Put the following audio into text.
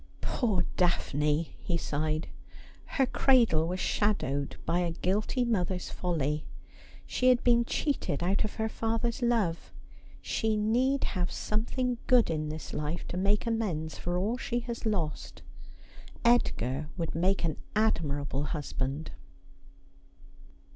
' Poor Daphne !' he sighed. ' Her cradle was shadowed by a guilty mother's folly. She had been cheated out of her father's love. She need have something good in this life to make amends for all she has lost. Edgar would make an admirable husband.'